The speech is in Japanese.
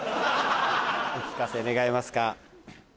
お聴かせ願えますか？